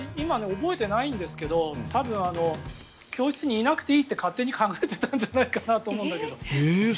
覚えてないんですけど教室にいなくていいって勝手に考えていたんじゃないかなと思うんだけど。